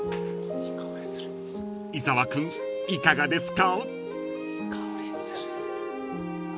［伊沢君いかがですか？］